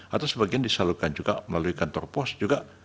atau sebagian disalurkan juga melalui kantor pos juga